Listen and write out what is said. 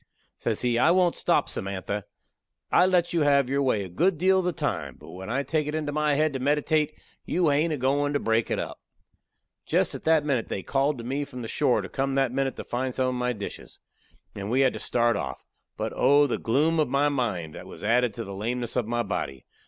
Says he, "I won't stop, Samantha. I let you have your way a good deal of the time; but when I take it into my head to meditate, you hain't a goin' to break it up." Jest at that minute they called to me from the shore to come that minute to find some of my dishes. And we had to start off. But oh! the gloom of my mind that was added to the lameness of my body.